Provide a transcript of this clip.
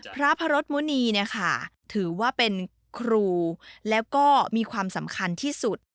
พระพระรสมุณีเนี่ยค่ะถือว่าเป็นครูแล้วก็มีความสำคัญที่สุด